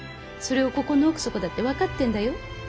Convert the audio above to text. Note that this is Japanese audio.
それをここの奥底だって分かってんだよ。